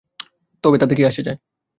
তবে তাতে কী আসে যায়?